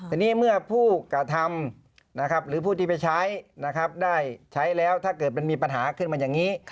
ทีนี้เมื่อผู้กระทำหรือผู้ที่ไปใช้นะครับได้ใช้แล้วถ้าเกิดมันมีปัญหาขึ้นมาอย่างนี้